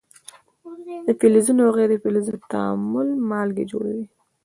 د فلزونو او غیر فلزونو تعامل مالګې جوړوي.